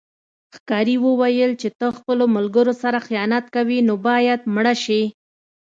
ښکاري وویل چې ته خپلو ملګرو سره خیانت کوې نو باید مړه شې.